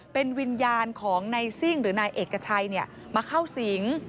เป็นวิญญาณของนายซิ่งหรือนายเอกชัยมาเข้าสิง